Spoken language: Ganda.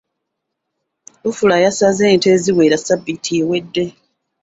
Lufula yasaze ente eziwera ssabbiiti ewedde.